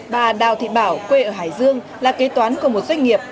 bà đào thị bảo quê ở hải dương